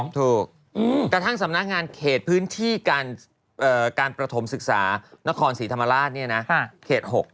ถูกกระทั่งสำนักงานเขตพื้นที่การประถมศึกษานครศรีธรรมราชเขต๖